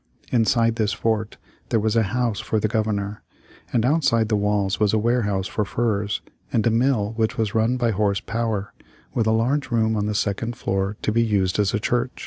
Inside this fort there was a house for the Governor, and outside the walls was a warehouse for furs, and a mill which was run by horse power, with a large room on the second floor to be used as a church.